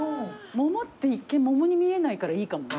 桃って一見桃に見えないからいいかもね。